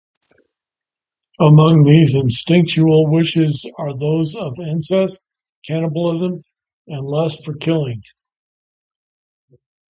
Among these instinctual wishes are those of incest, cannibalism, and lust for killing.